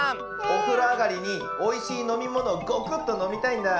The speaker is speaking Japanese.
おふろあがりにおいしいのみものをゴクッとのみたいんだ。